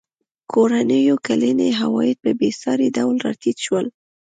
کورنیو کلني عواید په بېساري ډول راټیټ شول.